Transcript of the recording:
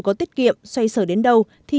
có tiết kiệm xoay sở đến đâu thì